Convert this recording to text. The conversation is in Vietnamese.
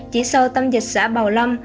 chỉ sau tâm dịch xã bào lâm